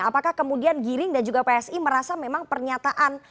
apakah kemudian giring dan juga psi merasa memang pernyataan